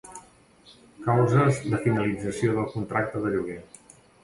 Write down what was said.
Causes de finalització del contracte de lloguer.